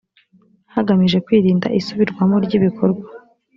hagamijwe kwirinda isubirwamo ry ibikorwa